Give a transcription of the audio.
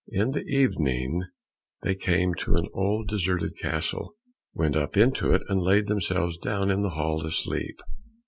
In the evening they came to an old deserted castle, went up into it, and laid themselves down in the hall to sleep.